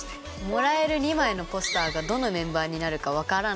もらえる２枚のポスターがどのメンバーになるか分からないんですね。